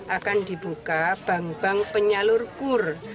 akan dibuka bank bank penyalur kur